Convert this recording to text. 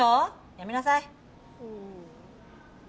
やめなさい！